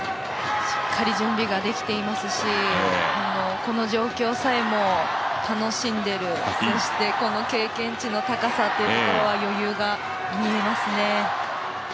しっかり準備ができてますしこの状況さえも楽しんでいる、そしてこの経験値の高さというところは余裕が見えますね。